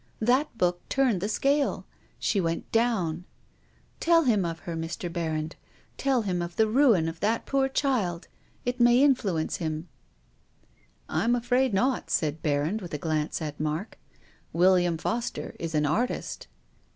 "That book turned the scale. She went down. Tell him of her, Mr. Berrand, tell him of the ruin of that poor child. It may in fluence him." "WILLIAM FOSTER." 157 " I'm afraid not," said Berrand, with a glance at Mark. " William Foster is an artist."